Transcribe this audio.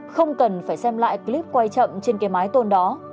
không cần phải xem lại clip quay chậm trên cái mái tôn đó